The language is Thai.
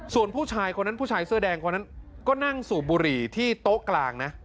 ส่วนผู้ชายเสื้อแดงคนนั้นก็นั่งสูบบุหรี่ที่โต๊ะกลางนะ